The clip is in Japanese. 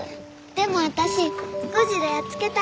でも私ゴジラやっつけたいの。